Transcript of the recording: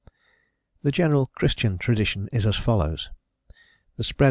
'" The general Christian tradition is as follows: The spread!